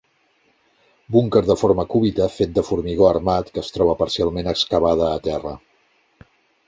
Búnquer de forma cúbica fet de formigó armat, que es troba parcialment excavada a terra.